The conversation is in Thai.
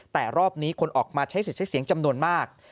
แต่รอบนี้คนออกมาใช้สิทธิ์ใช้เสียงจำนวนมาก